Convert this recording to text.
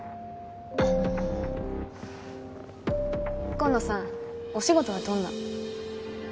紺野さんお仕事はどんな？